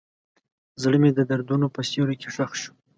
زړه مې د دردونو په سیوري کې ښخ دی.